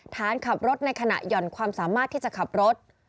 ฐานขับรถในขณะหย่อนความสามารถที่จะขับรถ